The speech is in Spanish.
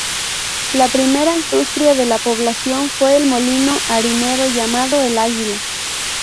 La primera industria de la población fue un molino harinero llamado "El Águila".